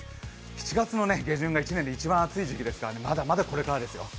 ７月の下旬が１年で一番暑い時期ですからまだまだこれからですよ。